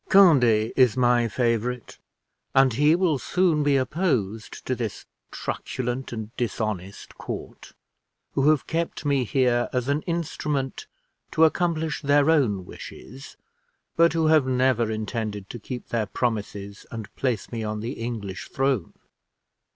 "Conde is my favorite, and he will soon be opposed to this truculent and dishonest court, who have kept me here as an instrument to accomplish their own wishes, but who have never intended to keep their promises, and place me on the English throne.